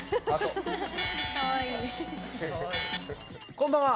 こんばんは。